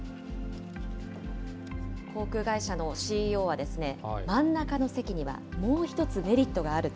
航空会社のＣＥＯは、真ん中の席にはもう一つメリットがあると。